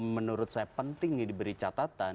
menurut saya penting diberi catatan